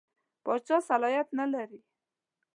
پاچا صلاحیت نه لري.